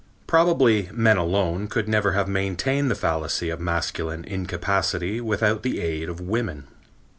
Probably men alone could never have maintained the fallacy of masculine incapacity without the aid of women.